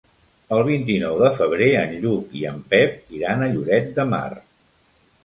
El vint-i-nou de febrer en Lluc i en Pep iran a Lloret de Mar.